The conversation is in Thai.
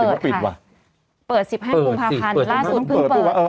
เปิด๑๕กุมภาพวันล่าสุดเพิ่งเปิด